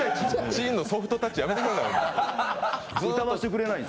チンのソフトタッチやめてください。